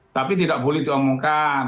tapi tidak boleh diomongkan